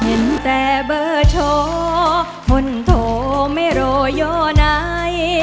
เห็นแต่เบอร์โชว์ฝนโทไม่รออยู่ไหน